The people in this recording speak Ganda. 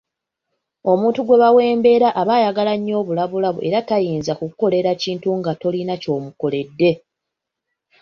Omuntu gwe bawembera aba ayagala nnyo obulabolabo era nga tayinza kukukolera kintu nga tolina ky'omukoledde.